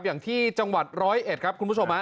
อย่างที่จังหวัดร้อยเอ็ดครับคุณผู้ชมฮะ